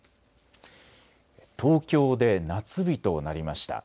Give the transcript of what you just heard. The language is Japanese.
東京で夏日となりました。